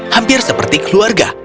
hampir seperti keluarga